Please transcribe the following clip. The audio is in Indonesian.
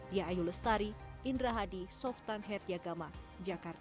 diayu lestari indra hadi softan herdiagama jakarta